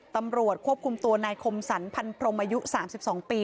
ตำรวจควบคุมตัวนายคมสรรพันพรมอายุ๓๒ปี